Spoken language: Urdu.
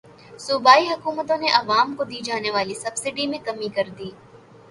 صوبائی حکومتوں نے عوام کو دی جانے والی سبسڈی میں کمی کردی